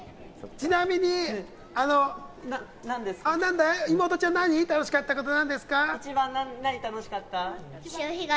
ちなみに、妹ちゃん、楽しかったことは？